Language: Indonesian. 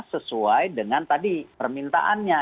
sesuai dengan tadi permintaannya